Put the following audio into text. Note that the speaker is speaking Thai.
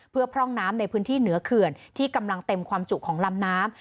เพื่อพร่องน้ำในพื้นที่เหนือเขื่อนที่กำลังเต็มความจุของลำน้ำ